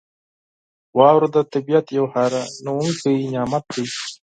• واوره د طبعیت یو حیرانونکی نعمت دی.